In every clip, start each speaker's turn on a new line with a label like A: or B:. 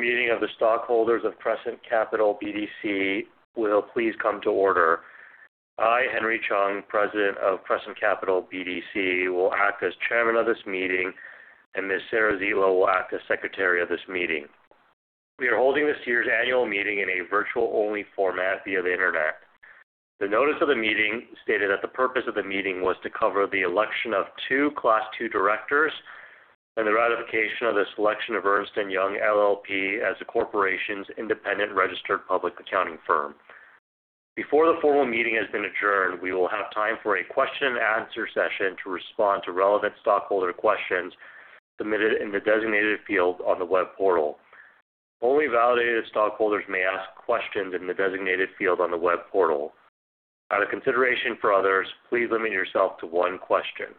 A: The Annual Meeting of the Stockholders of Crescent Capital BDC will please come to order. I, Henry Chung, President of Crescent Capital BDC, will act as Chairman of this meeting, and Ms. Sarah Zietlow will act as secretary of this meeting. We are holding this year's annual meeting in a virtual-only format via the Internet. The notice of the meeting stated that the purpose of the meeting was to cover the election of two Class II Directors and the ratification of the selection of Ernst & Young LLP as the corporation's independent registered public accounting firm. Before the formal meeting has been adjourned, we will have time for a question-and-answer session to respond to relevant stockholder questions submitted in the designated field on the web portal. Only validated stockholders may ask questions in the designated field on the web portal. Out of consideration for others, please limit yourself to one question.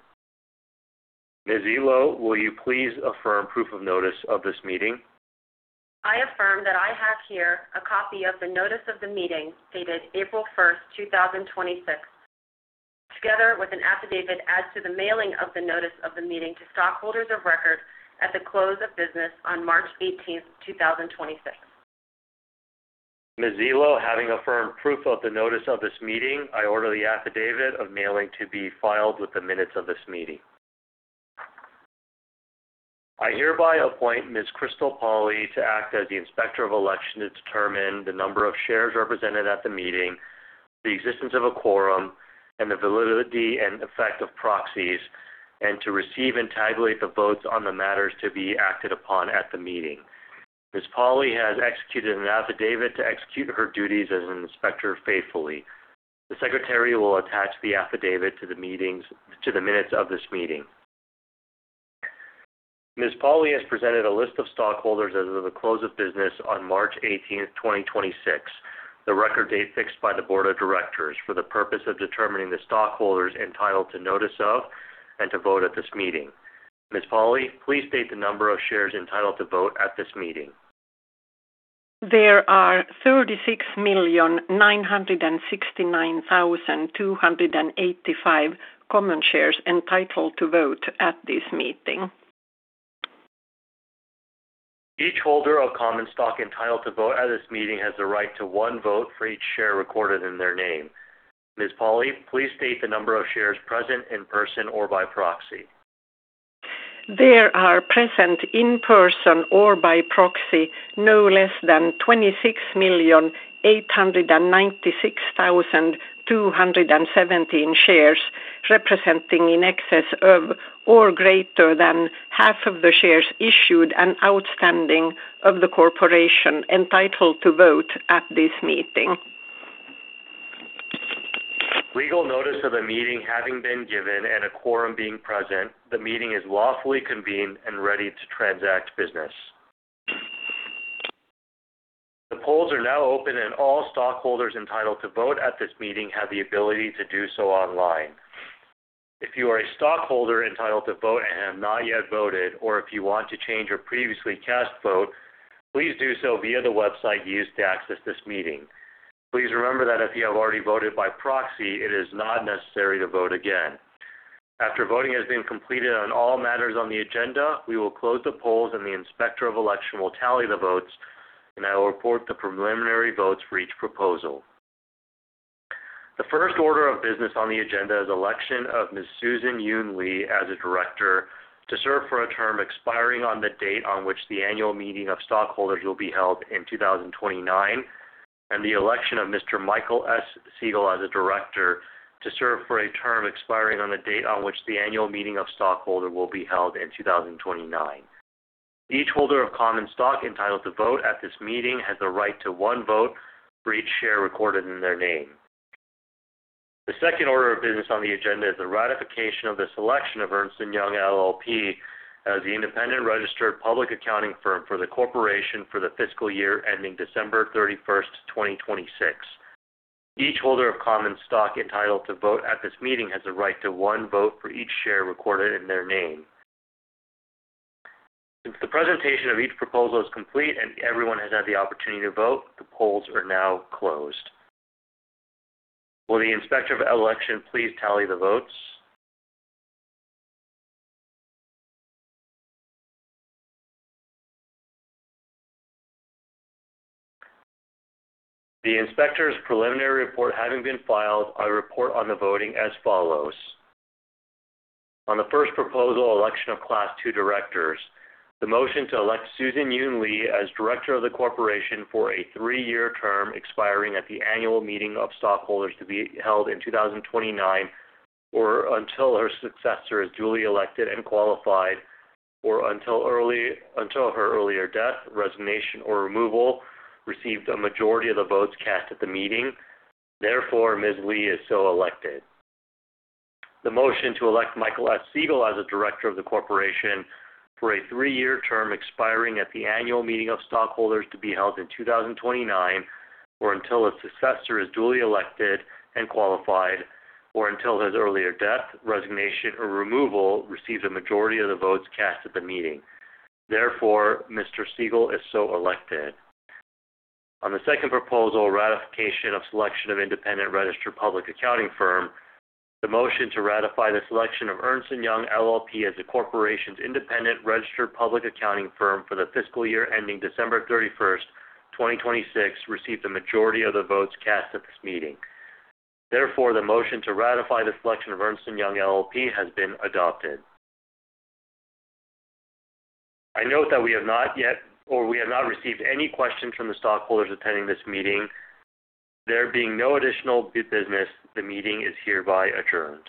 A: Ms. Zietlow, will you please affirm proof of notice of this meeting?
B: I affirm that I have here a copy of the notice of the meeting dated April 1st, 2026, together with an affidavit as to the mailing of the notice of the meeting to stockholders of record at the close of business on March 18th, 2026.
A: Ms. Zietlow, having affirmed proof of the notice of this meeting, I order the affidavit of mailing to be filed with the minutes of this meeting. I hereby appoint Ms. Crystal Pauley to act as the Inspector of Election to determine the number of shares represented at the meeting, the existence of a quorum, and the validity and effect of proxies, and to receive and tabulate the votes on the matters to be acted upon at the meeting. Ms. Pauley has executed an affidavit to execute her duties as an inspector faithfully. The Secretary will attach the affidavit to the minutes of this meeting. Ms. Pauley has presented a list of stockholders as of the close of business on March 18th, 2026, the record date fixed by the Board of Directors for the purpose of determining the stockholders entitled to notice of and to vote at this meeting. Ms. Pauley, please state the number of shares entitled to vote at this meeting.
C: There are 36,969,285 common shares entitled to vote at this meeting.
A: Each holder of common stock entitled to vote at this meeting has the right to one vote for each share recorded in their name. Ms. Pauley, please state the number of shares present in person or by proxy.
C: There are present in person or by proxy no less than 26,896,217 shares, representing in excess of or greater than half of the shares issued and outstanding of the corporation entitled to vote at this meeting.
A: Legal notice of a meeting having been given and a quorum being present, the meeting is lawfully convened and ready to transact business. The polls are now open, and all stockholders entitled to vote at this meeting have the ability to do so online. If you are a stockholder entitled to vote and have not yet voted, or if you want to change your previously cast vote, please do so via the website used to access this meeting. Please remember that if you have already voted by proxy, it is not necessary to vote again. After voting has been completed on all matters on the agenda, we will close the polls, and the inspector of election will tally the votes, and I will report the preliminary votes for each proposal. The first order of business on the agenda is election of Ms. Susan Yun Lee as a Director to serve for a term expiring on the date on which the Annual Meeting of Stockholders will be held in 2029, and the election of Mr. Michael S. Segal as a Director to serve for a term expiring on the date on which the Annual Meeting of Stockholder will be held in 2029. Each holder of common stock entitled to vote at this meeting has the right to one vote for each share recorded in their name. The second order of business on the agenda is the ratification of the selection of Ernst & Young LLP as the independent registered public accounting firm for the corporation for the fiscal year ending December 31st, 2026. Each holder of common stock entitled to vote at this meeting has the right to one vote for each share recorded in their name. Since the presentation of each proposal is complete and everyone has had the opportunity to vote, the polls are now closed. Will the Inspector of Election please tally the votes? The inspector's preliminary report having been filed, I report on the voting as follows. On the first proposal, election of Class II Directors. The motion to elect Susan Yun Lee as director of the corporation for a three-year term expiring at the Annual Meeting of Stockholders to be held in 2029, or until her successor is duly elected and qualified, or until her earlier death, resignation, or removal, received a majority of the votes cast at the meeting. Therefore, Ms. Lee is so elected. The motion to elect Michael S. Segal as a Director of the corporation for a three-year term expiring at the Annual Meeting of Stockholders to be held in 2029, or until a successor is duly elected and qualified, or until his earlier death, resignation, or removal receives a majority of the votes cast at the meeting. Therefore, Mr. Segal is so elected. On the second proposal, ratification of selection of independent registered public accounting firm. The motion to ratify the selection of Ernst & Young LLP as the corporation's independent registered public accounting firm for the fiscal year ending December 31st, 2026 received the majority of the votes cast at this meeting. Therefore, the motion to ratify the selection of Ernst & Young LLP has been adopted. I note that we have not received any questions from the stockholders attending this meeting. There being no additional business, the meeting is hereby adjourned.